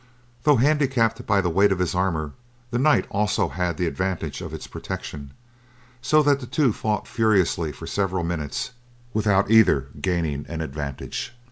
Though handicapped by the weight of his armor, the knight also had the advantage of its protection, so that the two fought furiously for several minutes without either gaining an advantage.